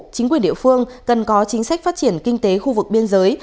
chính quyền địa phương cần có chính sách phát triển kinh tế khu vực biên giới